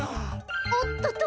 おっとと！